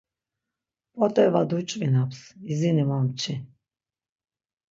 P̆ot̆e va duç̌vinaps, izini momçi.